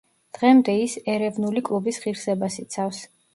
დღემდე ის ერევნული კლუბის ღირსებას იცავს.